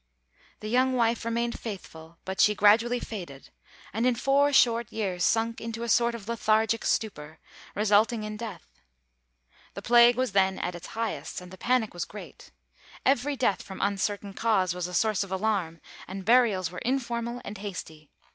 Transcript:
The young wife remained faithful; but she gradually faded; and in four short years sunk into a sort of lethargic stupor, resulting in death. The plague was then at its highest, and the panic was great. Every death from uncertain cause was a source of alarm, and burials were informal and hasty.